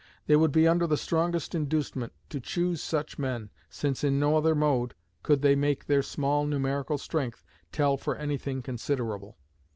They would be under the strongest inducement to choose such men, since in no other mode could they make their small numerical strength tell for any thing considerable.